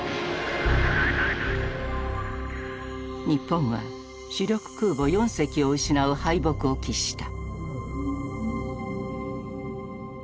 日本は主力空母４隻を失う敗北を喫した。